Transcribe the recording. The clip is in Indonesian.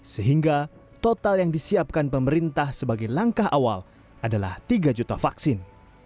sehingga total yang disiapkan pemerintah sebagai langkah awal adalah tiga juta vaksin